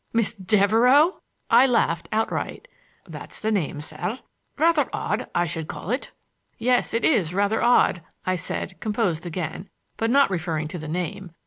"Miss Devereux!" I laughed outright. "That's the name, sir,—rather odd, I should call it." "Yes, it is rather odd," I said, composed again, but not referring to the name.